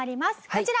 こちら。